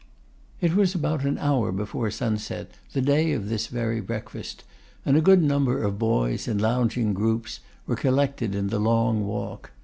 It was about an hour before sunset, the day of this very breakfast, and a good number of boys, in lounging groups, were collected in the Long Walk.